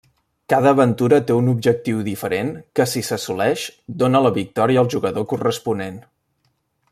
Cada aventura té un objectiu diferent que si s'assoleix, dóna la victòria al jugador corresponent.